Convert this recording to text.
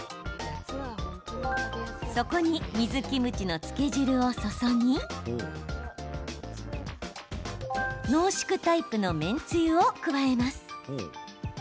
そこに水キムチの漬け汁を注ぎ濃縮タイプの麺つゆを加えます。